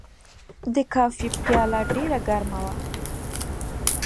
د کافي پیاله ډېر ګرمه وه.